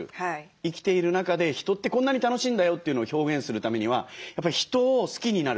生きている中で人ってこんなに楽しいんだよというのを表現するためにはやっぱり人を好きになること。